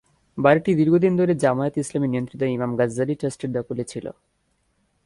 বাড়িটি দীর্ঘদিন ধরে জামায়াতে ইসলামী নিয়ন্ত্রিত ইমাম গাজ্জালী ট্রাস্টের দখলে ছিল।